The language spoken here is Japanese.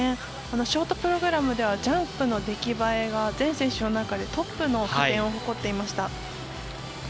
ショートプログラムではジャンプの出来栄えが全選手の中でトップの得点を誇っていました。